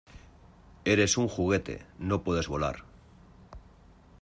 ¡ Eres un juguete! ¡ no puedes volar !